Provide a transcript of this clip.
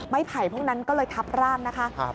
ไผ่พวกนั้นก็เลยทับร่างนะคะ